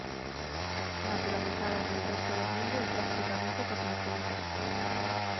Naturalizada en el resto del mundo y prácticamente cosmopolita.